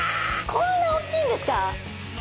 こんなおっきいんですか？